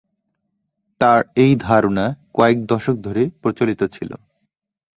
তার এই ধারণা কয়েক দশক ধরে প্রচলিত ছিল।